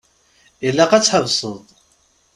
Ilaq ad tḥebseḍ.